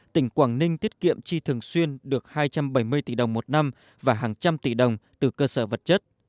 tỉnh quảng ninh tiết kiệm chi thường xuyên được hai trăm bảy mươi tỷ đồng một năm và hàng trăm tỷ đồng từ cơ sở vật chất